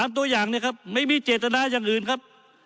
๓ตัวอย่างไม่มีเจตนาอย่างอื่นครับ